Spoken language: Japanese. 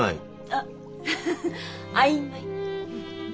あっフフフ曖昧。